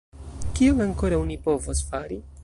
Kion ankoraŭ ni povos fari?